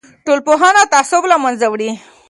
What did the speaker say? ټولنپوهنه تعصب له منځه وړي.